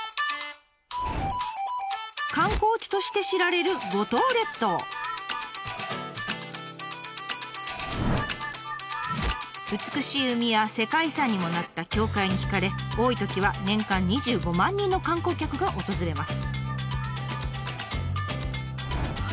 観光地として知られる美しい海や世界遺産にもなった教会に惹かれ多いときは年間２５万人の観光客が訪れます。